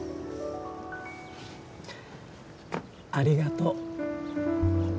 ありがとう。